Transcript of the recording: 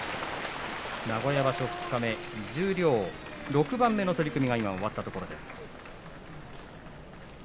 名古屋場所、二日目十両６番目の取組が今、終わったところです。